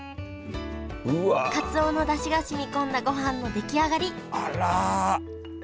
かつおのだしが染み込んだごはんの出来上がりあら！